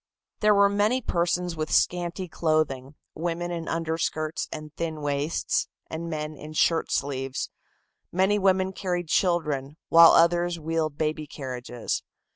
There were many persons with scanty clothing, women in underskirts and thin waists and men in shirt sleeves. Many women carried children, while others wheeled baby carriages.